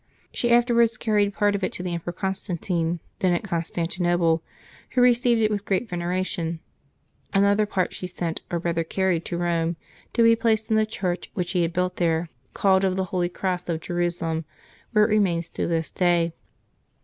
She afterwards carried part of it to the Emperor Constantine, then at Con stantinople, who received it with great veneration ; another part she sent or rather carried to Eome, to be placed in the church which she had bnilt there, called Of the Holy Cross of Jerusalem, where it remains to this day.